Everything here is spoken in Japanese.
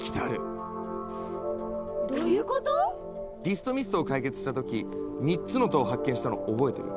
どゆこと⁉ディストミストを解決した時３つの塔を発見したのを覚えてる？